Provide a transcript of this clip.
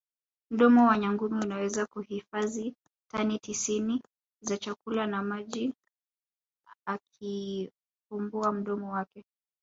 Mdomo wa nyangumi unaweza kuhifazi tani tisini za chakula na maji akiufumbua mdomo wake